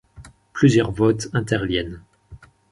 Plusieurs votes interviennent.